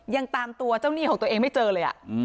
ยังตามตัวเจ้าหนี้ของตัวเองไม่เจอเลย